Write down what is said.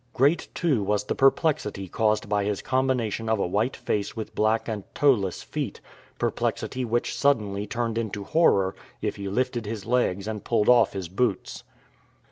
Great, too, was the perplexity caused by his combination of a white face with black and toeless feet— perplexity which suddenly turned into horror if he lifted his legs and pulled off his boots.